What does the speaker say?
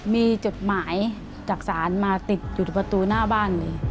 มีจดหมายจักษานมาติดอยู่ที่ประตูหน้าบ้านเลย